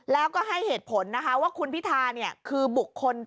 แล้วก็ให้เหตุผลนะคะว่าคุณพิธาคือบุคคล